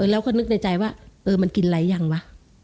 แล้วก็นึกในใจว่าเออมันกินอะไรยังวะ